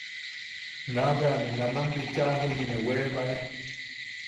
Naʼa bea ne naman bicha juniʼi ne weebae.